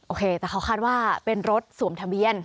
โอเคแต่เขาคาดว่าเป็นรถสวมทะเบียน